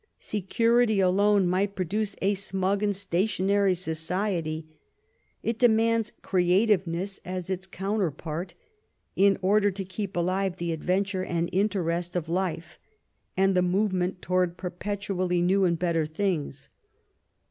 Security alone might produce a smug and stationary society; it demands creativeness as its counterpart, in order to keep alive the adventure and interest of life, and the movement toward perpetually new and better things.